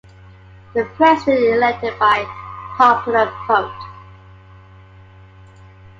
The president is elected by popular vote.